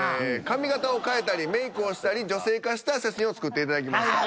髪型を変えたりメイクをしたり女性化した写真を作っていただきました。